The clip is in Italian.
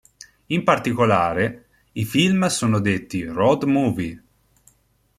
In particolare, i film sono detti "road movie".